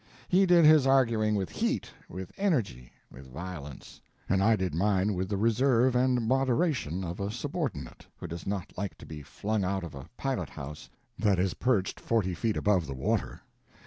He did his arguing with heat, with energy, with violence; and I did mine with the reserve and moderation of a subordinate who does not like to be flung out of a pilot house that is perched forty feet above the water.